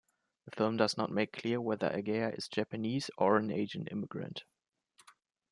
The film does not make clear whether Ageha is Japanese or an Asian immigrant.